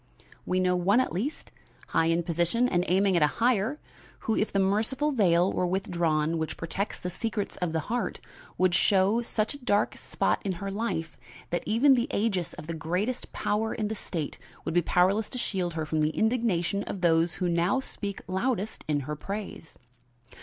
We know one at least, high in position and aiming at a higher, who, if the merciful veil were withdrawn which protects the secrets of the heart, would show such a dark spot in her life, that even the aegis of the greatest power in the state would be powerless to shield her from the indignation of those who now speak loudest in her praise.